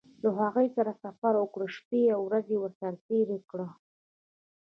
له هغوی سره سفر وکړه شپې او ورځې ورسره تېرې کړه.